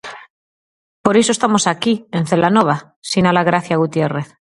Por iso estamos aquí, en Celanova, sinala Gracia Gutiérrez.